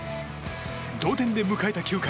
同点で迎えた９回。